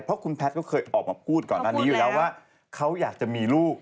เพราะคุณแพทย์ก็เคยออกมาพูดก่อนอันนี้อยู่แล้วว่าเขาอยากจะมีลูก